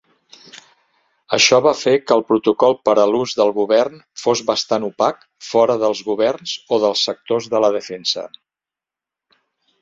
Això va fer que el protocol per a l'ús del govern fos bastant "opac" fora dels governs o dels sectors de la defensa.